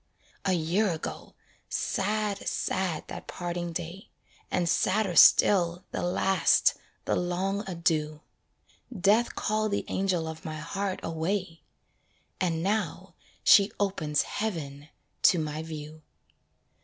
A year ago! sad, sad that parting day, And sadder still, the last, the long adieu. Death called the angel of my heart away And now she opens heaven to my view.